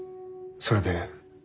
それで？